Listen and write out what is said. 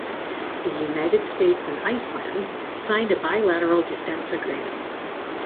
The United States and Iceland signed a bilateral defense agreement